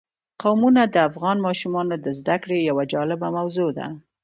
قومونه د افغان ماشومانو د زده کړې یوه جالبه موضوع ده.